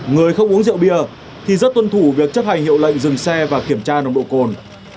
người không uống rượu bia thì rất tuân thủ việc chấp hành hiệu lệnh dừng xe và kiểm tra nồng độ cồn